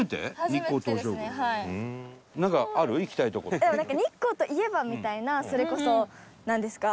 なんか日光といえばみたいなそれこそなんですか